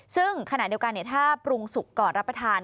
ซึ่งขณะเดียวกันถ้าปรุงสุกก่อนรับประทาน